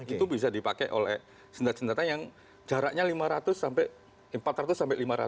itu bisa dipakai oleh senjata senjata yang jaraknya empat ratus sampai lima ratus